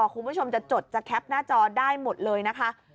คุณผู้ชมจะจดจะแคปหน้าจอได้หมดเลยนะคะ